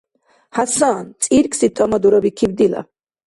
— ХӀясан! — цӀиркӀси тӀама дурабикиб дила.